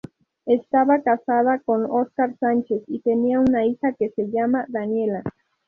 Estaba casada con Óscar Sánchez y tenía una hija que se llama Daniela.